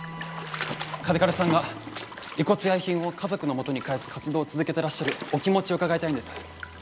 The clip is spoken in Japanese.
嘉手刈さんが遺骨や遺品を家族のもとに返す活動を続けてらっしゃるお気持ちを伺いたいんです。